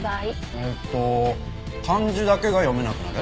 ええと漢字だけが読めなくなる？